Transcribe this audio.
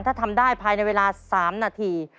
ถ้าทำได้ภายในเวลา๓นาที